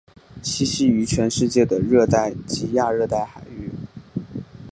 栖息于全世界的热带及亚热带海域。